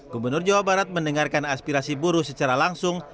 gubernur jawa barat mendengarkan aspirasi buruh secara langsung